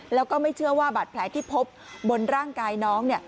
แล้วก็ไม่เชื่อว่าบาดแผลที่พบบนร่างกายน้อง